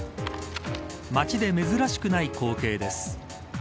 街で珍しくない光景です。